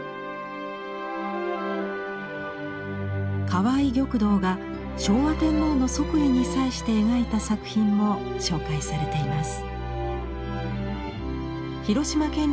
川合玉堂が昭和天皇の即位に際して描いた作品も紹介されています。